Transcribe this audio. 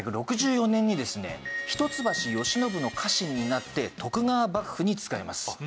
１８６４年にですね一橋慶喜の家臣になって徳川幕府に仕えます。